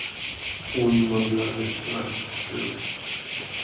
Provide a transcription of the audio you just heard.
Hon mumlade föraktfullt.